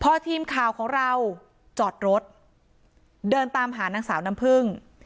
พอทีมข่าวของเราจอดรถเดินตามหานางสาวน้ำพึ่ง